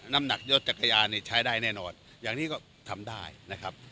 น้ำหนักยศจักรยานนี่ใช้ได้แน่นอนอย่างนี้ก็ทำได้นะครับ